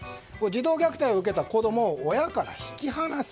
児童虐待を受けた子供を親から引き離す